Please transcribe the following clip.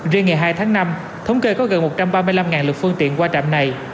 riêng ngày hai tháng năm thống kê có gần một trăm ba mươi năm lực phương tiện qua trạm này